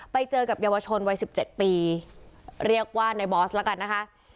ไปเจอกับเยาวชนวัย๑๗ปีเรียกว่าในบอสแล้วกันนะคะ